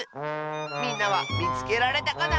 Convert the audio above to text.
みんなはみつけられたかな？